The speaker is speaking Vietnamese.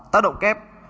tác động kép